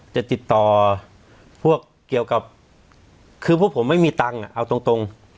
จะติดต่อพวกเกี่ยวกับคือพวกผมไม่มีตังค์เอาตรง